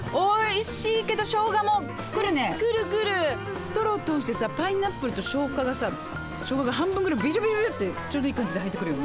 ストロー通してさパイナップルとショウガがさショウガが半分ぐらいビシュビシュってちょうどいい感じで入ってくるよね。